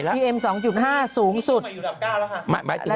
คือพูมเท่าไหร่แล้ว